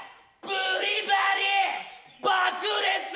ブリバリ爆裂！